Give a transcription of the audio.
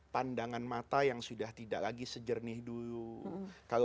pandangan mata yang sudah tidak lagi sejernih dulu